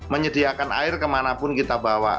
menyediakan air kemanapun kita bawa